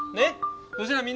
えっ？